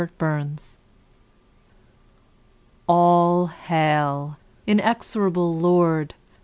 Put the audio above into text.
To Ruin All hail! inexorable lord!